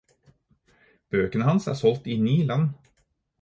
Bøkene hans er solgt til ni land.